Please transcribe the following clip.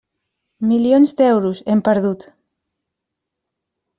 Milions d'euros, hem perdut.